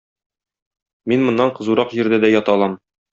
Мин моннан кызурак җирдә дә ята алам.